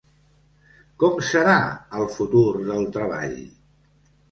Com serà el futur del treball?